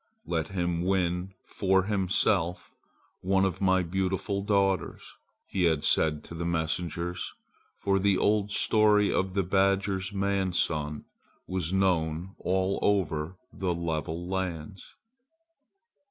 Let him win for himself one of my beautiful daughters," he had said to his messengers, for the old story of the badger's man son was known all over the level lands.